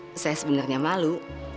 dan saya sebenarnya malu